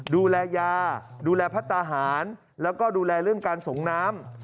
ดูแลยาดูแลพัฒนาหารแล้วก็ดูแลเรื่องการส่งน้ำ